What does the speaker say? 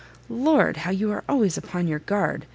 "Lord, how you are always upon your guard!